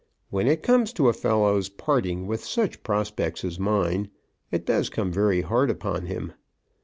When it comes to a fellow's parting with such prospects as mine, it does come very hard upon him.